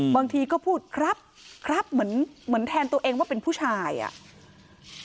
บางทีก็พูดครับครับเหมือนเหมือนแทนตัวเองว่าเป็นผู้ชายอ่ะ